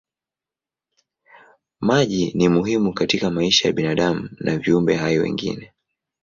Maji ni muhimu kwa maisha ya binadamu na viumbe hai wengine.